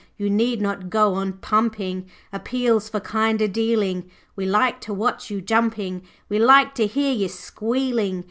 You need not go on pumping Appeals for kinder dealing, We like to watch you jumping, We like to hear you squealing.